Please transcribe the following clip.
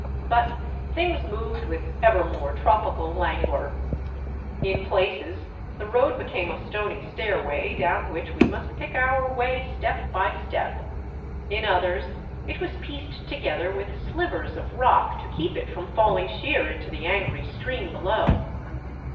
But things moved with ever more tropical languor. In places the road became a stony stairway down which we must pick our way step by step; in others it was pieced together with slivers of rock to keep it from fall 462 A FORGOTTEN CITY OF THE ANDES ing sheer into the angry stream below.